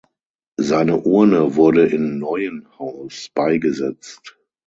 Seine Urne wurde in Neuenhaus beigesetzt.